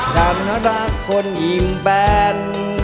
รับนรับคนยิ่มแบน